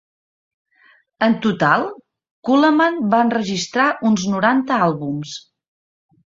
En total, Coleman va enregistrar uns noranta àlbums.